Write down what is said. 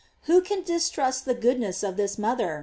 f Who could distrust the goodness of this mother?